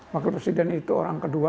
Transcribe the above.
wakil presiden itu orang kedua